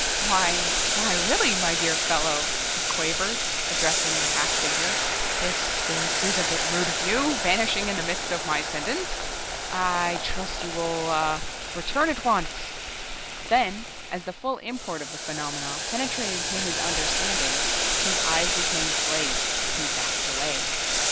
"Why, why really my dear fellow," he quavered, addressing the half figure. "This this is a bit rude of you, vanishing in the midst of my sentence. I I trust you will ah, return at once!" Then, as the full import of the phenomenon penetrated to his understanding, his eyes became glazed and he backed away.